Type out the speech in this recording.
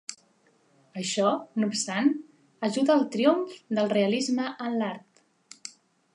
Això no obstant, ajudà al triomf del realisme en l'art.